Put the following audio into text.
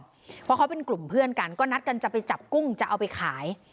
เพราะเขาเป็นกลุ่มเพื่อนกันก็นัดกันจะไปจับกุ้งจะเอาไปขาย